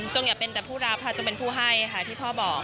อย่าเป็นแต่ผู้รับค่ะจงเป็นผู้ให้ค่ะที่พ่อบอก